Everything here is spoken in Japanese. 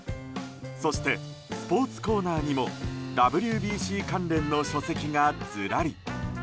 そしてスポーツコーナーにもＷＢＣ関連の書籍がずらり。